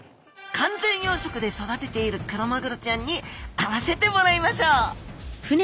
完全養殖で育てているクロマグロちゃんに会わせてもらいましょう。